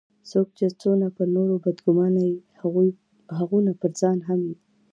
څوک چي څونه پر نورو بد ګومانه يي؛ هغونه پرځان هم يي.